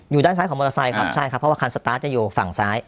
อยู่ด้านซ้ายของมอเตอร์ไซค์ครับใช่ครับเพราะว่าคันสตาร์ทจะอยู่ฝั่งซ้าย